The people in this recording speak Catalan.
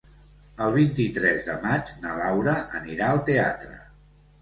El vint-i-tres de maig na Laura anirà al teatre.